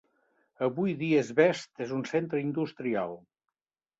Avui dia Asbest és un centre industrial.